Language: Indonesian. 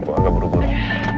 gue anggap berubah